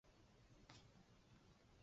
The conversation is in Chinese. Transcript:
马正秀文革受害者。